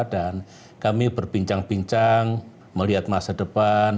dan kami berbincang bincang melihat masa depan